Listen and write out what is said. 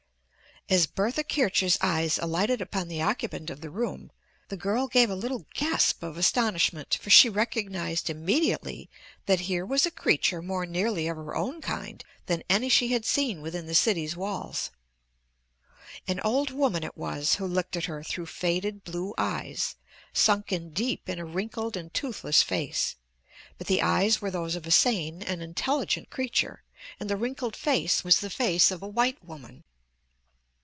As Bertha Kircher's eyes alighted upon the occupant of the room the girl gave a little gasp of astonishment, for she recognized immediately that here was a creature more nearly of her own kind than any she had seen within the city's walls. An old woman it was who looked at her through faded blue eyes, sunken deep in a wrinkled and toothless face. But the eyes were those of a sane and intelligent creature, and the wrinkled face was the face of a white woman.